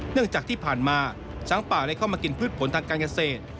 เนื่องจากที่ผ่านมาช้างป่าได้เข้ามากินพืชผลทางการเกษตร